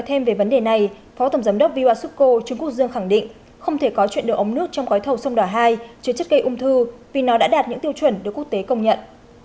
thêm về vấn đề này phó tổng giám đốc viu asuko trung quốc dương khẳng định không thể có chuyện được ống nước trong cõi thầu sông đỏ hai chứa chất cây ung thư vì nó đã đạt những tiêu chuẩn được quốc tế công nhận